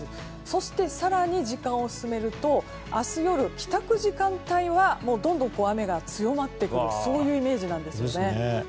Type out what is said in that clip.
そして更に時間を進めると明日夜、帰宅時間帯はどんどん雨が強まってくるイメージなんですね。